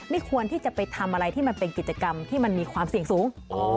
ควรที่จะไปทำอะไรที่มันเป็นกิจกรรมที่มันมีความเสี่ยงสูง